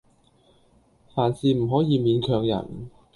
凡事唔可以勉強人